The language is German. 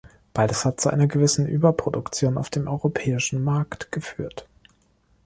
Beides hat zu einer gewissen Überproduktion auf dem europäischen Markt geführt.